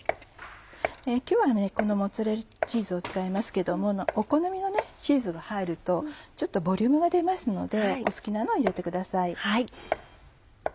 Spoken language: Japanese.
今日はこのモッツァレラチーズを使いますけどもお好みのチーズが入るとちょっとボリュームが出ますのでお好きなのを入れてください。